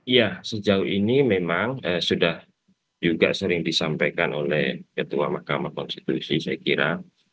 ya sejauh ini memang sudah juga sering disampaikan oleh ketua mahkamah konstitusi saya kira